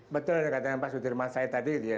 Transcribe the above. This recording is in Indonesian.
betul yang dikatakan pak sudirman saya tadi ya